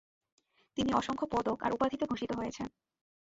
তিনি অসংখ্য পদক আর উপাধিতে ভূষিত হয়েছেন।